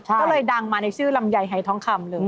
ก็เลยดังมาในชื่อลำไยหายทองคำเลย